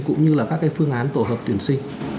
cũng như là các phương án tổ hợp tuyển sinh